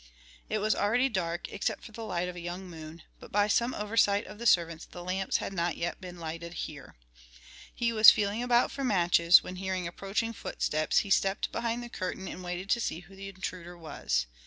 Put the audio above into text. It was already dark, except for the light of a young moon, but by some oversight of the servants the lamps had not yet been lighted here. He was feeling about for matches, when hearing approaching footsteps he stepped behind the curtain and waited to see who the intruder was.